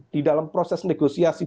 di dalam proses negosiasi